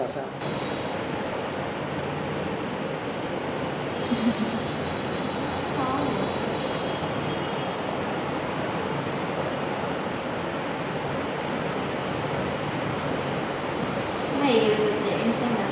cái này dạy em xem nào